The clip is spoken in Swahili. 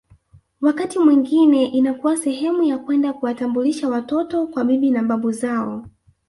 Wakati mwingine inakuwa sehemu ya kwenda kuwatambulisha watoto kwa bibi na babu zao